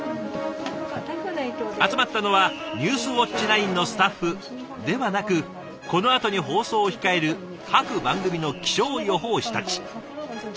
集まったのは「ニュースウオッチ９」のスタッフではなくこのあとに放送を控える各番組の気象予報士たち。